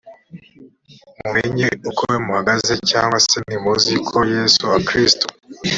mumenye uko muhagaze cyangwa se ntimuzi ko yesu kristo